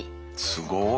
すごい。